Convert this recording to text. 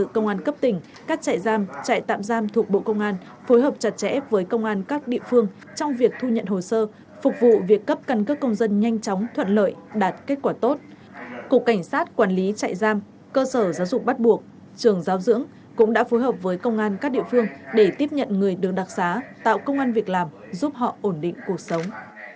công an cấp tỉnh các trại giam trại tạm giam thuộc bộ công an phối hợp chặt chẽ với công an các địa phương trong việc thu nhận hồ sơ phục vụ việc cấp căn cước công dân nhanh chóng thuận lợi đạt kết quả tốt cục cảnh sát quản lý trại giam cơ sở giáo dụng bắt buộc trường giáo dưỡng cũng đã phối hợp với công an các địa phương để tiếp nhận người được đặc giá tạo công an việc làm giúp họ ổn định cuộc sống